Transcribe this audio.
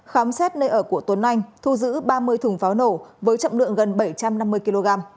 khám xét nơi ở của tuấn anh thu giữ ba mươi thùng pháo nổ với trọng lượng gần bảy trăm năm mươi kg